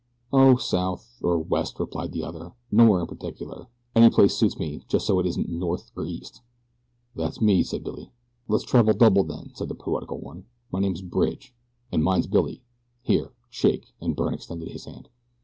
"Oh, south or west," replied the other. "Nowhere in particular any place suits me just so it isn't north or east." "That's me," said Billy. "Let's travel double, then," said the poetical one. "My name's Bridge." "And mine's Billy. Here, shake," and Byrne extended his hand.